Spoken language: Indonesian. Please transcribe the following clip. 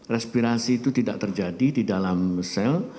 respirasi itu tidak terjadi di dalam sel